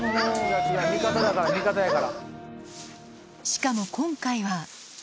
しかも今回は。